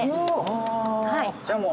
じゃあもう。